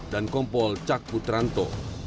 dan kompol cak putranto